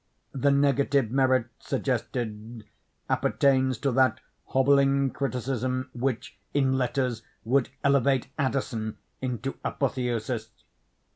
The negative merit suggested appertains to that hobbling criticism which, in letters, would elevate Addison into apotheosis.